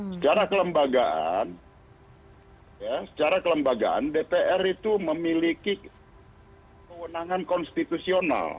secara kelembagaan secara kelembagaan dpr itu memiliki kewenangan konstitusional